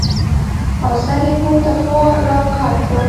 او سر يې پورته خوا راقات کړ.